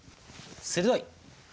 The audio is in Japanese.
鋭い！